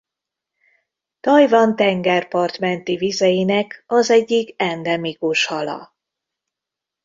Tajvan tengerpart menti vizeinek az egyik endemikus hala.